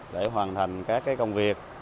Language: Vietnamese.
để hoàn thành các công việc